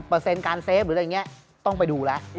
เปอร์เซ็นต์การเซฟต้องไปดูแล้ว